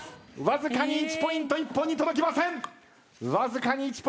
わずかに１ポイント届きません。